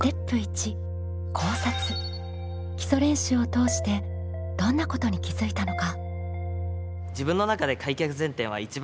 基礎練習を通してどんなことに気づいたのか？